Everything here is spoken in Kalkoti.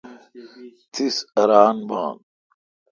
تس اران بھان۔